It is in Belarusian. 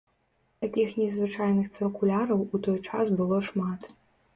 Такіх незвычайных цыркуляраў у той час было шмат.